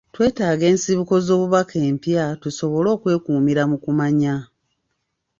Twetaaga ensibuko z'obubaka empya tusobole okwekuumira mu kumanya.